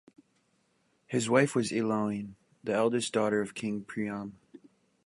His wife was Ilione, the eldest daughter of King Priam.